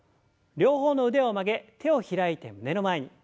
両方の腕を曲げ手を開いて胸の前に。